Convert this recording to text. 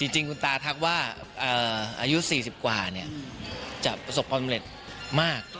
จริงคุณตาทักว่าอายุ๔๐กว่าเนี่ยจะประสบความเมล็ดมาก